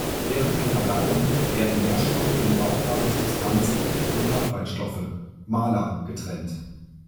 Während der Verdauung werden Nährstoffe in brauchbare Substanzen und Abfallstoffe, "Mala", getrennt.